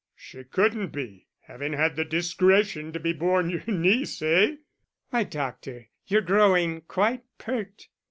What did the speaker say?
"She couldn't be, having had the discretion to be born your niece, eh?" "Why, doctor, you're growing quite pert."